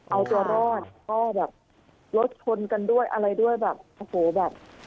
เอาตัวรอดก็แบบรถชนกันด้วยอะไรด้วยแบบโอ้โหแบบ